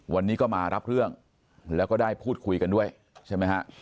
วันนี้ก็มารับเรื่องแล้วก็ได้พูดคุยกันด้วยใช่ไหมฮะ